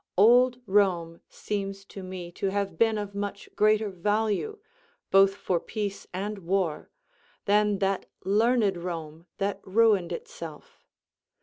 Old Rome seems to me to have been of much greater value, both for peace and war, than that learned Rome that ruined itself.